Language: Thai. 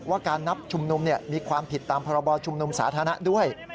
ว่าการนับชุมนุมมีความผิดตามพรบชุมนุมสาธารณะด้วย